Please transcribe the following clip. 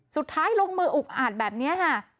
สุดท้ายลงมืออุกอาจแบบนี้ค่ะ